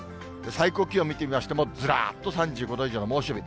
最高気温見てみましても、ずらっと３５度以上の猛暑日。